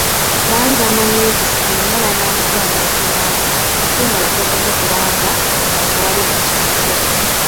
Baali bamanyi nti singa banaamugaana okulwana, Katumba ajja kumukubanga nga tewali nakyatya.